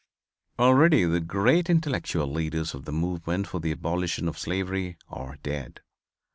"Already the great intellectual leaders of the movement for the abolition of slavery are dead.